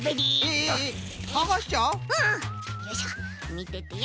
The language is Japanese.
みててよ。